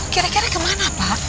kira kira ke mana pak